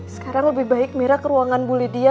sekarang lebih baik mirah ke ruangan bu lydia